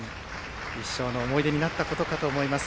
一生の思い出になったことかと思います。